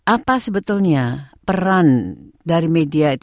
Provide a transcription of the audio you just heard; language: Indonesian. apa sebetulnya peran dari media itu